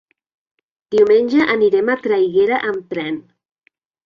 Diumenge anirem a Traiguera amb tren.